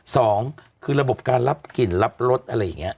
สองคือระบบการรับกลิ่นรับรสอะไรอย่างนี้